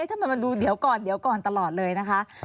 ทำไมมันดูเดี๋ยวก่อนตลอดเลยนะคะ